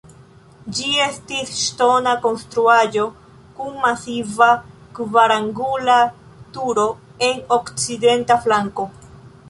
Ĝi estis ŝtona konstruaĵo kun masiva kvarangula turo en okcidenta flanko.